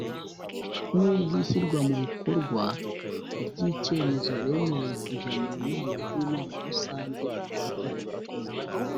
n ubw ishyirwa mu bikorwa ry icyemezo bemerewe kujya mu nama z Inama Rusange z Igihugu